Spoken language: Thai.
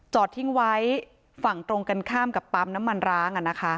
ทิ้งไว้ฝั่งตรงกันข้ามกับปั๊มน้ำมันร้าง